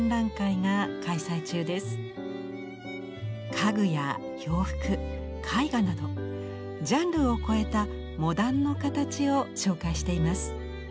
家具や洋服絵画などジャンルを超えた「モダンの形」を紹介しています。